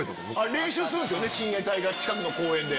練習するんですよね親衛隊が近くの公園で。